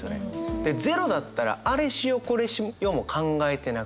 で０だったらあれしようこれしようも考えてなくて。